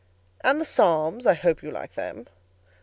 "And the Psalms? I hope you like them?"